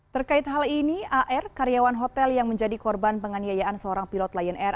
terkait hal ini ar karyawan hotel yang menjadi korban penganiayaan seorang pilot lion air